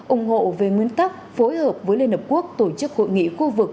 ủng hộ về nguyên tắc phối hợp với liên hợp quốc tổ chức hội nghị khu vực